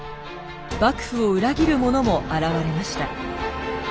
幕府を裏切る者も現れました。